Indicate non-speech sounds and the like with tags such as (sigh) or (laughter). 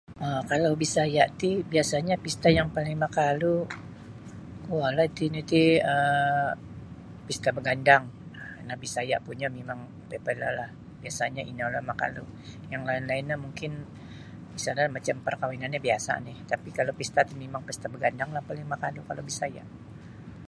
um Kalau Bisaya ti biasanyo pista yang paling makalu kuolah iti nu iti um Pista Bagandang um ino Bisaya punyo mimang (unintelligible) yang lain-lain mungkin sada macam perkahwinan no biasa oni tapi kalau pista ti Pista Bagandanglah yang paling makalu kalau Bisaya.